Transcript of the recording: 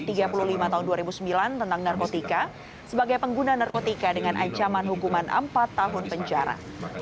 iyut bing selamat juga diketahui sudah menggunakan narkotika sebagai pengguna narkotika dengan ancaman hukuman empat tahun penjara